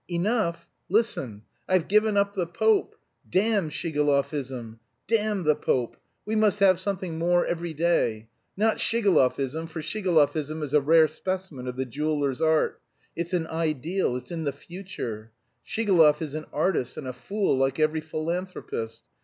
"Enough! Listen. I've given up the Pope! Damn Shigalovism! Damn the Pope! We must have something more everyday. Not Shigalovism, for Shigalovism is a rare specimen of the jeweller's art. It's an ideal; it's in the future. Shigalov is an artist and a fool like every philanthropist.